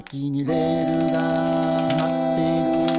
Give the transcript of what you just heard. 「レールがーまってるー」